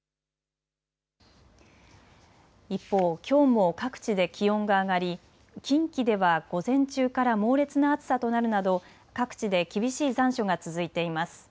一方、きょうも各地で気温が上がり近畿では午前中から猛烈な暑さとなるなど各地で厳しい残暑が続いています。